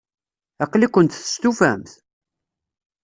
Aql-ikent testufamt?